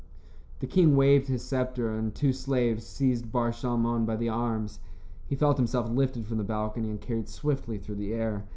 The king waved his scepter and two slaves seized Bar Shalmon by the arms. He felt himself lifted from the balcony and carried swiftly through the air.